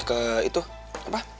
ke itu apa